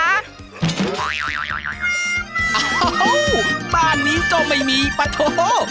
อ้าวบ้านนี้ก็ไม่มีปะโทษ